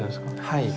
はい。